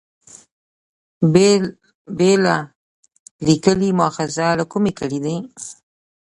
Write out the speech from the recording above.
بېله لیکلي مأخذه له کومه کړي دي.